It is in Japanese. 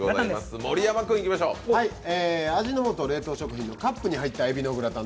味の素冷凍食品のカップに入ったエビのグラタン。